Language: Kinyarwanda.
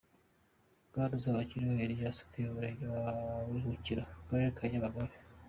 Bwana Uzabakiriho Eliyasi atuye mu murenge wa Buruhukiro mu karere ka Nyamagabe.